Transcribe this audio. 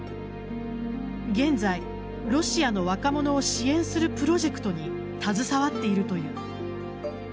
現在、ロシアの若者を支援するプロジェクトに携わっているという。